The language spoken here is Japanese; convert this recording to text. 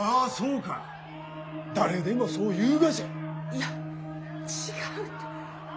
いや違うって。